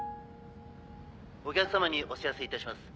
お客様にお知らせいたします。